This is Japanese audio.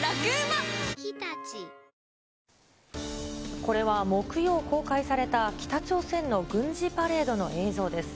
これは、木曜公開された北朝鮮の軍事パレードの映像です。